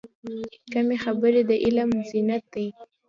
کمې خبرې، د علم زینت دی.